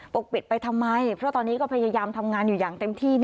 ปิดไปทำไมเพราะตอนนี้ก็พยายามทำงานอยู่อย่างเต็มที่